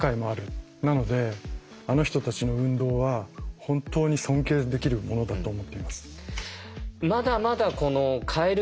なのであの人たちの運動は本当に尊敬できるものだと思っています。